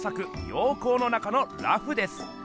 「陽光の中の裸婦」です。